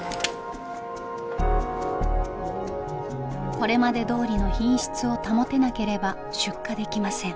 これまでどおりの品質を保てなければ出荷できません。